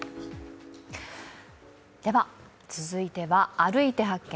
続いては、「歩いて発見！